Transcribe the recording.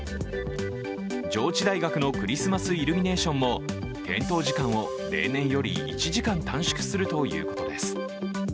上智大学のクリスマスイルミネーションも点灯時間を例年より１時間短縮するということです。